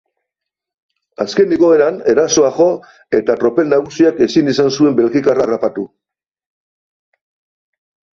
Azken igoeran erasoa jo eta tropel nagusiak ezin izan zuen belgikarra harrapatu.